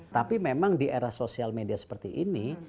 tapi memang di era sosial media seperti ini